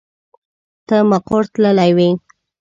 ته مقر تللی وې.